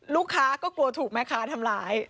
ลูกค้าก็กลัวถูกแม่ค้าทำร้าย